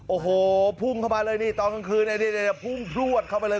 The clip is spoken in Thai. โอ้โหพุ่งเข้ามาเลยนี่ตอนกลางคืนพุ่งพลวดเข้าไปเลย